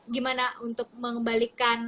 gimana untuk mengembalikan